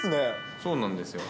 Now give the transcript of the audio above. そうなんですよ。